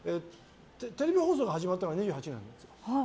テレビ放送が始まったのが２８年なんですよ。